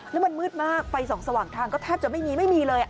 แล้วมันมืดมากไฟสองสว่างทางก็แทบจะไม่มีไม่มีเลย